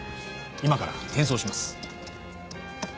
今から転送します。